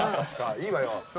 いいわよ。